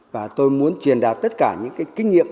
và tôi muốn truyền đạt tất cả những cái kinh nghiệm